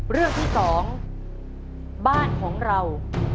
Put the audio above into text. เรื่องที่๒บ้านของเรา